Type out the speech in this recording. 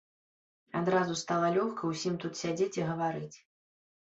Адразу стала лёгка ўсім тут сядзець і гаварыць.